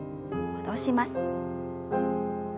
戻します。